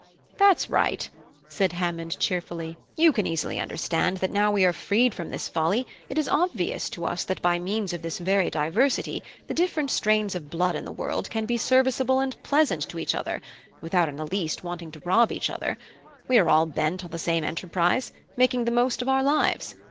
"That's right," said Hammond cheerily; "you can easily understand that now we are freed from this folly it is obvious to us that by means of this very diversity the different strains of blood in the world can be serviceable and pleasant to each other, without in the least wanting to rob each other: we are all bent on the same enterprise, making the most of our lives.